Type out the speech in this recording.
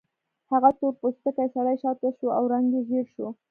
هغه تور پوستکی سړی شاته شو او رنګ یې ژیړ شو